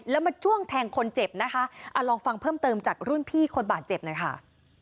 แล้วมาจ้วงแทงคนเจ็บนะคะลองฟังเพิ่มเติมจากรุ่นพี่คนบาดเจ็บหน่อยค่ะ